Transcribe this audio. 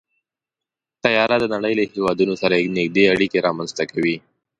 طیاره د نړۍ له هېوادونو سره نږدې اړیکې رامنځته کوي.